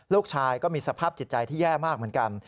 ลูกชายก็มีสภาพจิตใจที่แย่มากเหมือนกัน